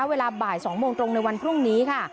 เวลาบ่าย๒โมงตรงในวันพรุ่งนี้ค่ะ